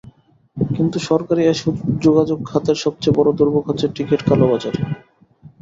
কিন্তু সরকারি এ যোগাযোগ খাতের সবচেয়ে বড় দুর্ভোগ হচ্ছে টিকিট কালোবাজারি।